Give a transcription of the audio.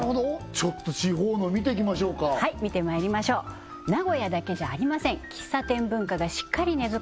ちょっと地方の見てきましょうかはい見てまいりましょう名古屋だけじゃありません喫茶店文化がしっかり根付く